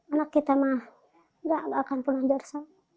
anak kita mah enggak akan pun anjur saya